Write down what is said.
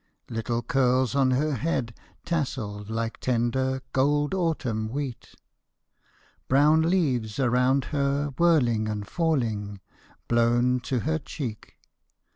Little curls on her head tasselled like tender Gold autumn wheat. Brown leaves around her whirling and falling, Blown to her cheek.